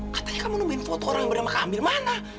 katanya kamu nomborin foto orang bernama kamil mana